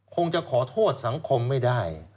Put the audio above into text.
คงจะขอโทษสังคมไม่ได้